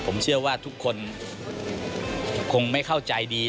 ผมเชื่อว่าทุกคนคงไม่เข้าใจดี